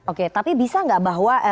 oke tapi bisa nggak bahwa